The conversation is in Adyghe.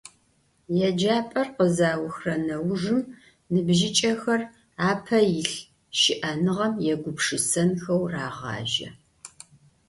Yêcap'er khızauxre neujjım nıbjıç'exer ape yilh şı'enıgem yêgupşşısenxeu rağaje.